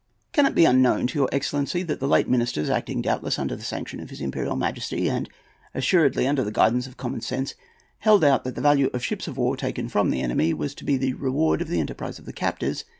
Can it be unknown to your excellency that the late ministers, acting doubtless under the sanction of his Imperial Majesty, and assuredly under the guidance of common sense, held out that the value of ships of war taken from the enemy was to be the reward of the enterprise of the captors?